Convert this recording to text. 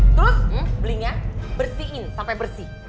terus blingnya bersihin sampe bersih